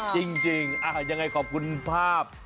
จริงยังไงขอบคุณภาพ